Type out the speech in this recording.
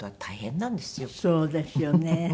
そうですよね。